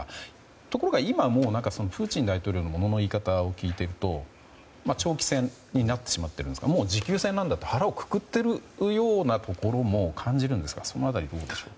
ところが今、もうプーチン大統領のものの言い方を聞いていると長期戦になってしまっていますがもう持久戦なんだと腹をくくっているようなところも感じるんですがその辺り、どうでしょう。